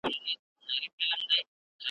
له رباب څخه به هېر نوم د اجل وي .